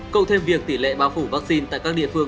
cộng thêm việc tỷ lệ bao phủ vaccine tại các địa phương